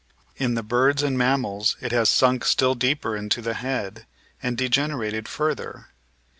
In the birds and mammals it has smik still deeper into the head, and degenerated further.